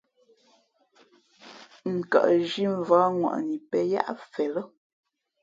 N kαʼzhī mvǎk ŋwαʼni pen yáʼ fen lά.